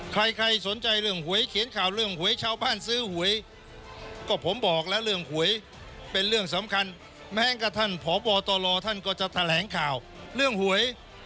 ใครใครสนใจเรื่องหวยเขียนข่าวเรื่องหวยชาวบ้านซื้อหวยก็ผมบอกแล้วเรื่องหวยเป็นเรื่องสำคัญแม้กระทั่งพบตรท่านก็จะแถลงข่าวเรื่องหวย